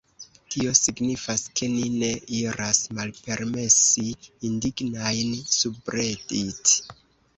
Tio signifas ke ni ne iras malpermesi indignigajn subredit.